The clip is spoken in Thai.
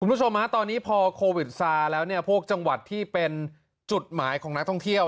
คุณผู้ชมฮะตอนนี้พอโควิดซาแล้วเนี่ยพวกจังหวัดที่เป็นจุดหมายของนักท่องเที่ยว